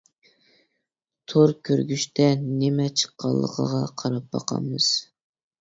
تور كۆرگۈچتە نېمە چىققانلىقىغا قاراپ باقىمىز.